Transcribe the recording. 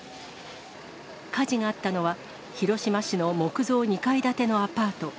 火事があったのは、広島市の木造２階建てのアパート。